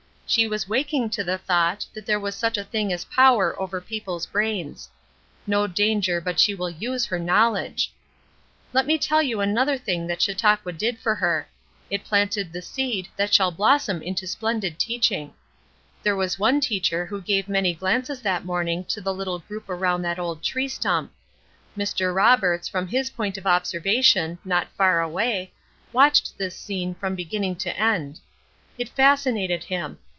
She was waking to the thought that there was such a thing as power over people's brains. No danger but she will use her knowledge. Let me tell you another thing that Chautauqua did for her. It planted the seed that shall blossom into splendid teaching. There was one teacher who gave many glances that morning to the little group around that old tree stump. Mr. Roberts, from his point of observation, not far away, watched this scene from beginning to end. It fascinated him.